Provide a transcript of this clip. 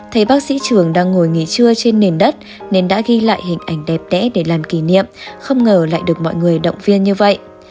thấy bác sĩ trường đang ngồi nghỉ trưa trên nền đất nên đã ghi lại hình ảnh đẹp đẽ để làm kỷ niệm không ngờ lại được mọi người động viên như vậy